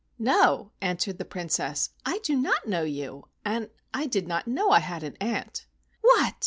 "No," answered the Princess, "I do not know you, and I did not know I had an aunt." "What!"